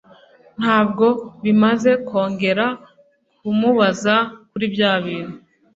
Ntabwo bimaze kongera kumubaza kuri by'abintu .